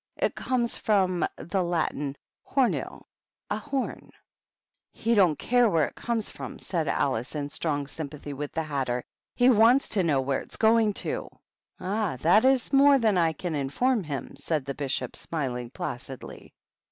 It comes from the Latin homu, a horn." "He don't care where it comes from," said Alice, in strong sympathy with the Hatter. " He wants to know where it's going to." "Ah, that is more than I can inform him," said the Bishop, smiling placidly.